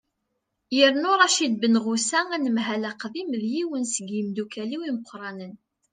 yernu racid benɣusa anemhal aqdim d yiwen seg yimeddukkal-iw imeqqranen